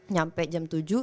nyampe jam tujuh